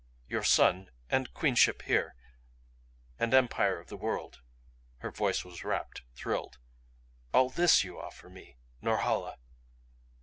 "Your son and Queenship here and Empire of the World." Her voice was rapt, thrilled. "All this you offer? Me Norhala?"